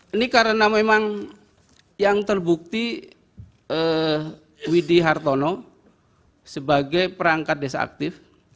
ini karena memang yang terbukti widi hartono sebagai perangkat desa aktif